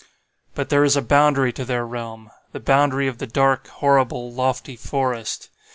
"But there is a boundary to their realm—the boundary of the dark, horrible, lofty forest.